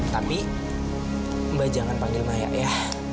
tapi mbak jangan panggil maya ya